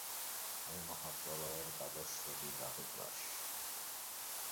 আমি মহা প্রলয়ের দ্বাদশ রবির রাহু গ্রাস।